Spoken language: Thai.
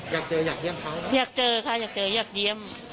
อยากเจออยากเยี่ยมเขาอยากเจอค่ะอยากเจออยากเยี่ยม